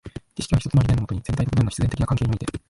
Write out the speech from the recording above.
知識は一つの理念のもとに、全体と部分の必然的な関係において、